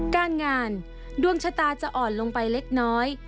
การงานดวงชะตาจะอ่อนลงไปเล็กน้อย